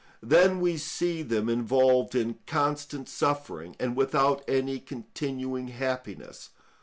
Then we see them involved in constant suffering, and without any continuing happiness.